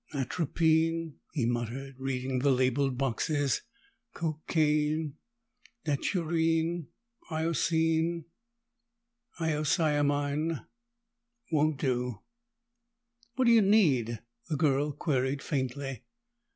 "Atropine," he muttered, reading the labeled boxes. "Cocaine, daturine, hyoscine, hyoscyamine won't do!" "What do you need?" the girl queried faintly.